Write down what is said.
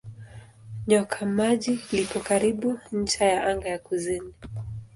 Nyoka Maji lipo karibu ncha ya anga ya kusini.